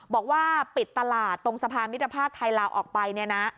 บอกว่าปิดตลาดตรงสะพานมิตรภาพไทยลาวออกไปเนี่ยนะ